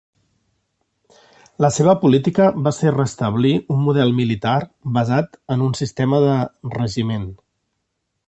La seva política va ser restablir un model militar basat en un sistema de regiment.